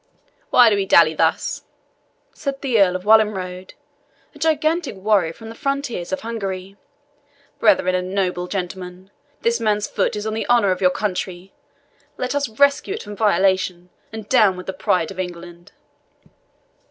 "Why do we dally thus?" said the Earl Wallenrode, a gigantic warrior from the frontiers of Hungary. "Brethren and noble gentlemen, this man's foot is on the honour of your country let us rescue it from violation, and down with the pride of England!"